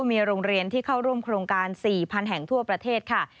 มีโรงเรียนที่เข้าร่วมโครงการ๔๐๐๐แห่งทั่วประเทศค่ะ